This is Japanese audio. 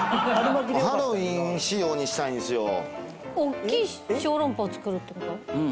おっきい小籠包を作るってこと？